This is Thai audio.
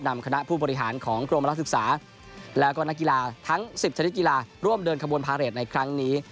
นำคณะผู้บริหารของกรมรัฐศึกษาแล้วก็นักกีฬาทั้ง๑๐ชนิดกีฬาร่วมเดินขบวนพาเรทในครั้งนี้